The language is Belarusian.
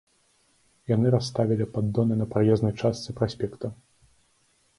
Яны расставілі паддоны на праезнай частцы праспекта.